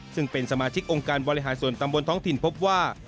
ซึ่งเป็นสมาชิกองค์การบริหารส่วนตำบลท้องถิ่นพบว่า